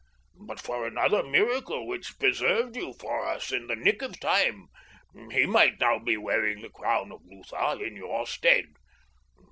"But for another miracle which preserved you for us in the nick of time he might now be wearing the crown of Lutha in your stead.